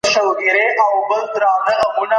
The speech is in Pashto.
مسلمان هغه دی چي نور يې له ژبي او لاسه په امن وي.